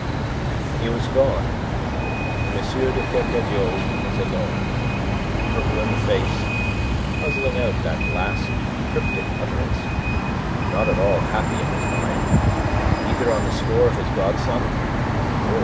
He was gone, and M. de Kercadiou was alone, purple in the face, puzzling out that last cryptic utterance, and not at all happy in his mind, either on the score of his godson or of M.